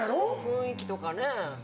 雰囲気とかね。